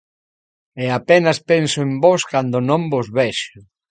E a penas penso en vós cando non vos vexo.